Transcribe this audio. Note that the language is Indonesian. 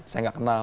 saya nggak kenal